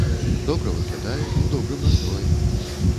Добра выглядае, у добрым настроі.